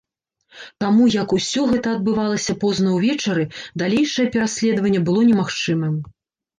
Таму як усё гэта адбывалася позна ўвечары, далейшае пераследаванне было немагчымым.